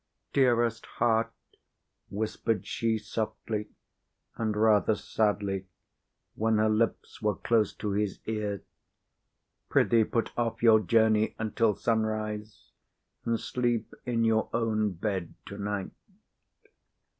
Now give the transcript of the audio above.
"Dearest heart," whispered she, softly and rather sadly, when her lips were close to his ear, "prithee put off your journey until sunrise and sleep in your own bed to night.